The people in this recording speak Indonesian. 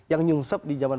yang nyungsep di jaman